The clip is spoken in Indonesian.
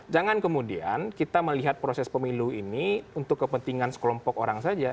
jangan kemudian kita melihat proses pemilu ini untuk kepentingan sekelompok orang saja